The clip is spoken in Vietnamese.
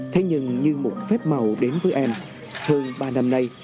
thế nhưng như một phép màu đến với em hơn ba năm nay